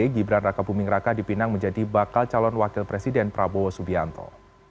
gibran raka buming raka dipinang menjadi bakal calon wakil presiden prabowo subianto